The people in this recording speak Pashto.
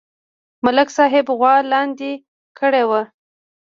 ملک صاحب غوا لاندې کړې وه